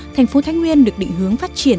thành phố thái nguyên được định hướng phát triển